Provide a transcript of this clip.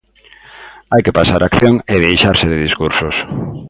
Hai que pasar á acción e deixarse de discursos.